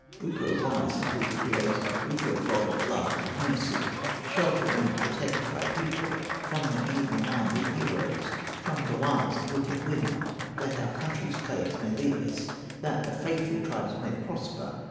"Ukko, wise and good Creator, Ukko, God of love and mercy, Shelter and protect thy people From the evil minded heroes, From the wiles of wicked women, That our country's plagues may leave us, That thy faithful tribes may prosper.